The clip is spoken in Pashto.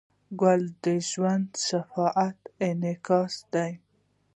ګل د ژوند شفاف انعکاس دی.